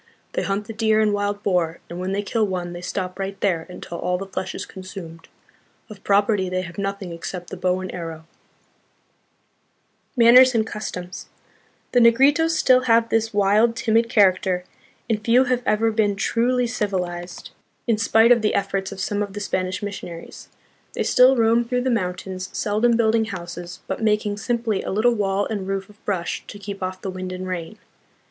They hunt the deer and wild boar, and when they kill one they stop right there until all the flesh is consumed. Of property they have nothing except the bow and arrow." l Manners and Customs. The Negritos still have this wild, timid character, and few have ever been truly civ 1 Relation de las Islas Filipinas, 2d ed., p. 38. THE PEOPLES OF THE PHILIPPINES. 29 ilized in spite of the efforts of some of the Spanish mis sionaries. They still roam through the mountains, seldom building houses, but making simply a little wall and roof of brush to keep off the wind and rain.